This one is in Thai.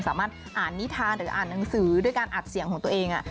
สามารถอ่านนิทานหรืออ่านหนังสือด้วยการอัดเสียงของตัวเอง